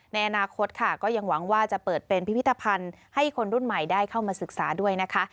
ในอนาคตค่ะก็ยังหวังว่าจะเปิดเป็นพิพิธภัณฑ์ให้คนรุ่นใหม่ได้เข้ามาศึกษาด้วยนะคะ